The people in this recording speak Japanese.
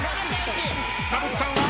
田渕さんは？